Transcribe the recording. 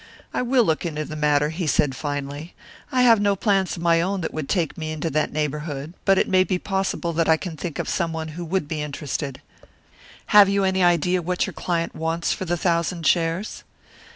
"I will look into the matter," he said, finally. "I have no plans of my own that would take me into that neighbourhood, but it may be possible that I can think of someone who would be interested. Have you any idea what your client wants for the thousand shares?"